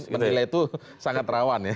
menilai itu sangat rawan ya